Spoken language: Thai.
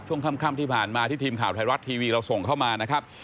ช่วงค่ำที่ผ่านมาที่ทีมข่าวไทยรัฐทีวีเราส่งเข้ามานะครับ